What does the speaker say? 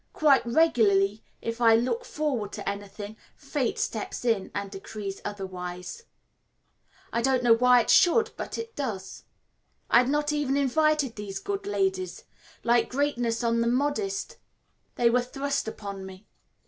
Quite regularly, if I look forward to anything, Fate steps in and decrees otherwise; I don't know why it should, but it does. I had not even invited these good ladies like greatness on the modest, they were thrust upon me.